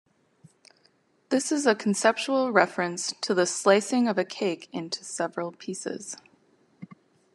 This is a conceptual reference to the slicing of a cake into several pieces.